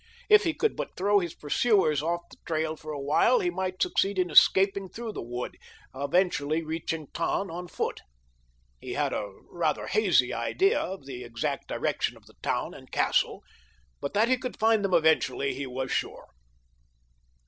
If he could but throw his pursuers off the trail for a while he might succeed in escaping through the wood, eventually reaching Tann on foot. He had a rather hazy idea of the exact direction of the town and castle, but that he could find them eventually he was sure.